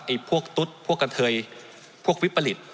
พวกตุ๊ดพวกกะเทยพวกวิปริต